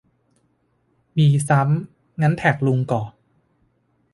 มีซ้ำ งั้นแท็กลุงก่อ